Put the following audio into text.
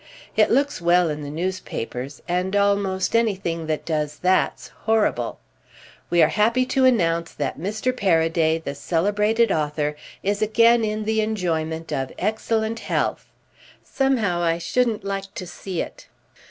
It looks well in the newspapers, and almost anything that does that's horrible. 'We are happy to announce that Mr. Paraday, the celebrated author, is again in the enjoyment of excellent health.' Somehow I shouldn't like to see it."